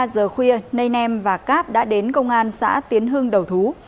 giờ khuya nê nem và cap đã đến công an xã tiến hưng đầu thú